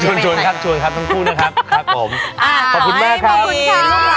เดี๋ยวพี่กาโกว้งต้องไปด้วย